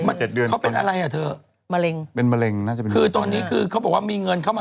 เธอมะเร็งเป็นมะเร็งน่าจะเป็นคือตอนนี้คือเขาบอกว่ามีเงินเข้ามา